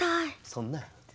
そんな。